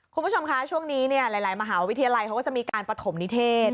คุณผู้ชมคะช่วงนี้เนี่ยหลายมหาวิทยาลัยเขาก็จะมีการประถมนิเทศ